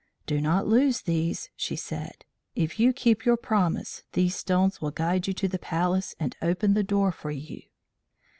"Do not lose these," she said. "If you keep your promise these stones will guide you to the Palace and open the door for you."